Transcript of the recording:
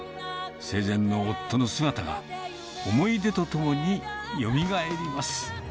生前の夫の姿が思い出とともによみがえります。